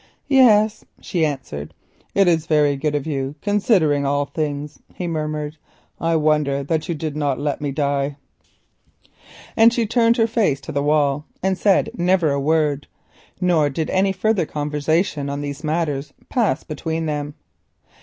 "Yes," she answered. "It is very good of you, considering all things," he murmured. "I wonder that you did not let me die." But she turned her face to the wall and never said a word, nor did any further conversation on these matters pass between them.